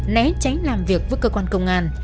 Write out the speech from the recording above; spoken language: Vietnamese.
né tránh làm việc với cơ quan công an